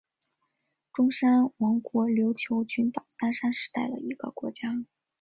中山王国琉球群岛三山时代的一个国家。